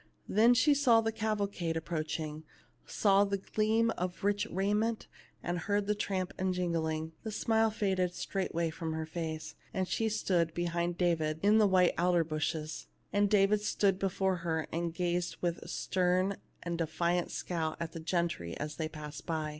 But when she saw the cavalcade approaching, saw the gleam of rich raiment, and heard the tramp and jingling, the smile faded straightway from her face, and she stood behind David in the white alder bushes. And David stood before her, and gazed with a stern and defiant scowl at the gentry as they passed by.